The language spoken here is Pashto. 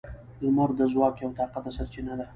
• لمر د ځواک یوه طاقته سرچینه ده.